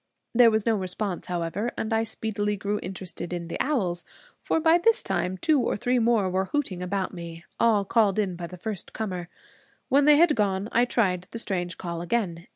There was no response, however, and I speedily grew interested in the owls; for by this time two or three more were hooting about me, all called in by the first comer. When they had gone I tried the strange call again.